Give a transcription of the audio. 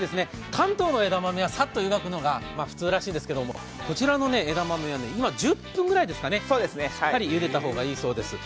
関東の枝豆はさっと湯がくのが普通らしいですけれどもこちらの枝豆は今、１０分ぐらいですかねしっかりゆでた方がいいそうです。